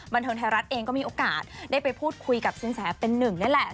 บันเทิงไทยรัฐเองก็มีโอกาสได้ไปพูดคุยกับสินแสเป็นหนึ่งนี่แหละ